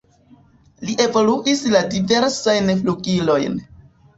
Li evoluis la diversajn flugilojn.